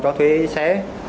cho thuê xe